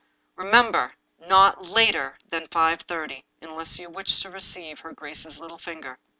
" Remember! not later than 5:30, unless you wish to re ceive her grace's little finger."